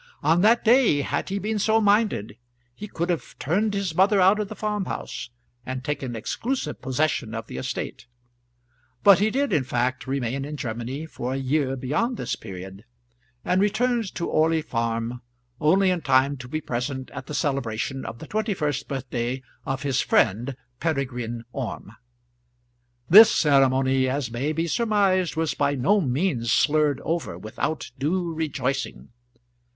On that day, had he been so minded, he could have turned his mother out of the farm house, and taken exclusive possession of the estate; but he did in fact remain in Germany for a year beyond this period, and returned to Orley Farm only in time to be present at the celebration of the twenty first birthday of his friend Peregrine Orme. This ceremony, as may be surmised, was by no means slurred over without due rejoicing.